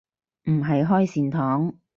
唔係開善堂